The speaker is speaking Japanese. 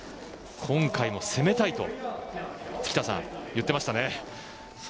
今回も攻めたいと言ってましたね。